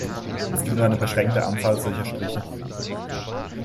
Es gibt nur eine beschränkte Anzahl solcher Striche.